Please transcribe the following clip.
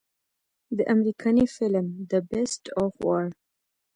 د امريکني فلم The Beast of War